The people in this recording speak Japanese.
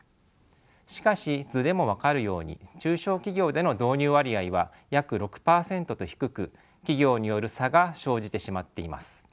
しかし図でも分かるように中小企業での導入割合は約６％と低く企業による差が生じてしまっています。